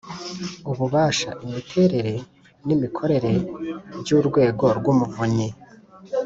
ububasha, imiterere n’imikorere by'urwego rw'umuvunyi,